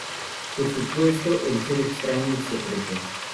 Y por supuesto el ser extraño y secreto.